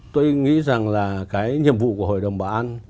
tôi nghĩ rằng là cái nhiệm vụ của hội đồng bảo an